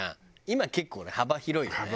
今結構幅広いよね。